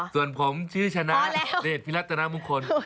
ส่วนผมชื่อชนะเดชพิรัตนามงคล